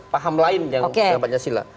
paham lain yang pancasila